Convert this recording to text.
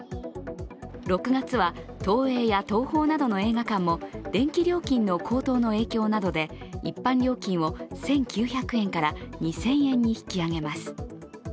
６月は東映や東宝などの映画館も電気料金の高騰の影響で一般料金を１９００円から２０００円に引き上げます。